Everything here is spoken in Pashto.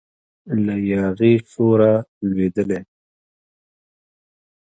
له یاغي شوره لویدلی